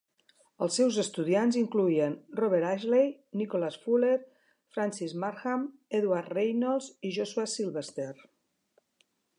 Els seus estudiants incloïen Robert Ashley, Nicholas Fuller, Francis Markham, Edward Reynolds i Josuah Sylvester.